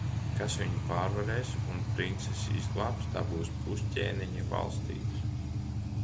Kas viņu pārvarēs un princesi izglābs, dabūs pus ķēniņa valstības.